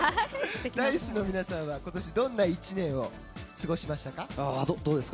Ｄａ‐ｉＣＥの皆さんは今年どんな１年を過ごしましたか？